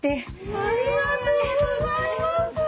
ありがとうございます！